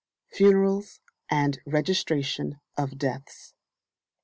Funerals and Registration of Deaths.